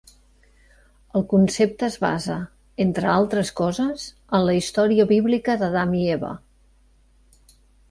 El concepte es basa, entre altres coses, en la història bíblica d'Adam i Eva.